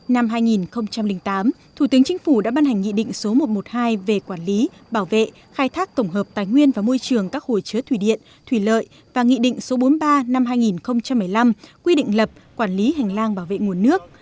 năm hai nghìn tám thủ tướng chính phủ đã ban hành nghị định số một trăm một mươi hai về quản lý bảo vệ khai thác tổng hợp tài nguyên và môi trường các hồ chứa thủy điện thủy lợi và nghị định số bốn mươi ba năm hai nghìn một mươi năm quy định lập quản lý hành lang bảo vệ nguồn nước